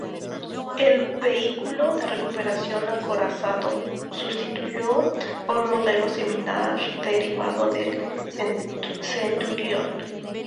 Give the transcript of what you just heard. El vehículo de recuperación acorazado sustituyó a un modelo similar derivado del Centurion.